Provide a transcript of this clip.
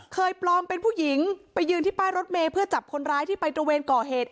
ปลอมเป็นผู้หญิงไปยืนที่ป้ายรถเมย์เพื่อจับคนร้ายที่ไปตระเวนก่อเหตุ